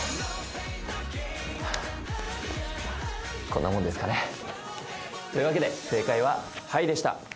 こんなもんですかね。というわけで正解はハイでした。